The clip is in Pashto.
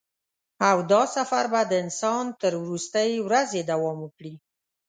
او دا سفر به د انسان تر وروستۍ ورځې دوام وکړي.